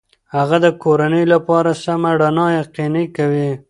هغه د کورنۍ لپاره سمه رڼا یقیني کوي.